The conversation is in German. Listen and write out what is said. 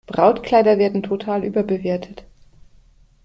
Brautkleider werden total überbewertet.